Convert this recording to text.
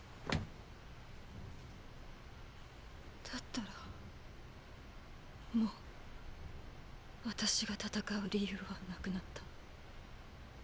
だったらもう私が戦う理由はなくなった。